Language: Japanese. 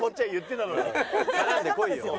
絡んでこいよ。